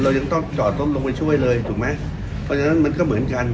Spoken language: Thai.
เรายังต้องจอดต้องลงไปช่วยเลยถูกไหมเพราะฉะนั้นมันก็เหมือนกัน